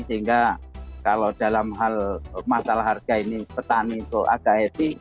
sehingga kalau dalam hal masalah harga ini petani itu agak happy